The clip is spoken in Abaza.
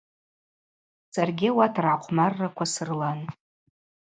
Саргьи ауат ргӏахъвмарраква срылан.